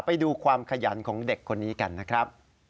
ไปดูความขยันของเด็กคนนี้กันนะครับ